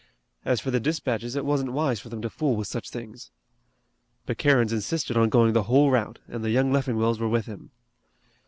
As for the dispatches it wasn't wise for them to fool with such things. But Kerins insisted on going the whole route and the young Leffingwells were with him.